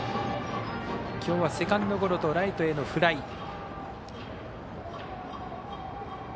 きょうはセカンドゴロとライトへのフライ。